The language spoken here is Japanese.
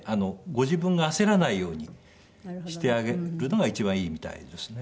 ご自分が焦らないようにしてあげるのが一番いいみたいですね。